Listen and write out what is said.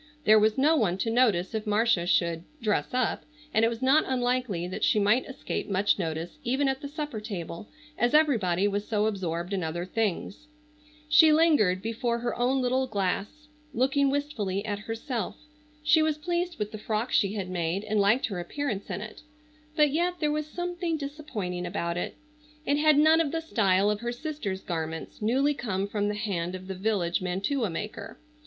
There was no one to notice if Marcia should "dress up," and it was not unlikely that she might escape much notice even at the supper table, as everybody was so absorbed in other things. She lingered before her own little glass looking wistfully at herself. She was pleased with the frock she had made and liked her appearance in it, but yet there was something disappointing about it. It had none of the style of her sister's garments, newly come from the hand of the village mantua maker.